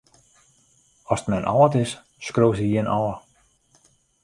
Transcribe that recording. Ast men âld is, skriuwe se jin ôf.